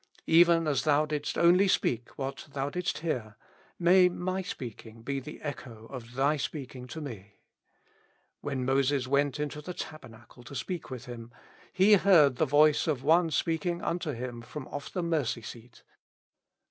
Even as Thou didst only speak what Thou didst hear, may my speaking be the echo of Thy speaking tome. ''When Moses went into the tabernacle to speak with Him, he heard the voice of One speaking unto him from off the mercy seat."